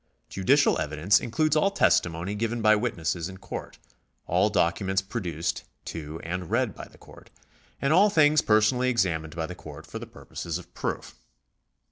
Judicial evidence in cludes all testimony given by witnesses in court, all docu ments produced to and read by the court, and all things per sonally examined by the court for the purposes of proof.